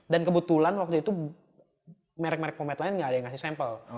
dan kebetulan waktu itu merek merek pomade lain gak ada yang ngasih sampel